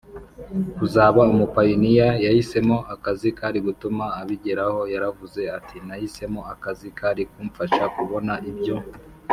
kuzaba umupayiniya yahisemo akazi kari gutuma abigeraho Yaravuze ati nahisemo akazi kari kumfasha kubona ibyo